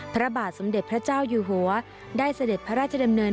พระบาทสมเด็จพระเจ้าอยู่หัวได้เสด็จพระราชดำเนิน